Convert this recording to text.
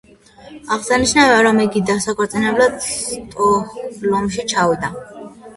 აღსანიშნავია, რომ იგი დასაქორწინებლად სტოკჰოლმში ჩავიდა.